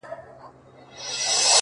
• چي د چا پر سر كښېني دوى يې پاچا كي,